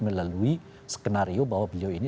melalui skenario bahwa beliau ini